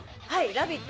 「ラヴィット！」